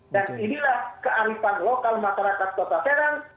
dan inilah kearifan lokal masyarakat kota serang